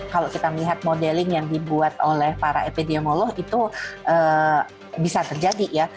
kalau kita melihat modeling yang dibuat oleh para epidemiolog itu bisa terjadi ya